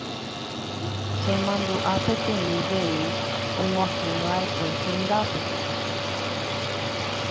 Chemandu'a peteĩ jey ag̃uahẽva'ekue hendápe.